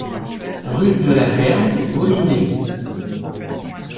Rue de la Verne, Molinet